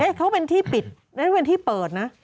แน่นอนเขาเป็นที่ปิดไม่ใช่เป็นที่เปิดนะ